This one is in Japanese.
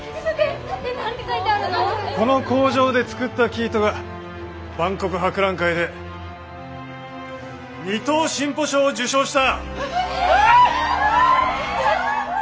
この工場で作った生糸が万国博覧会で二等進歩賞を受賞した！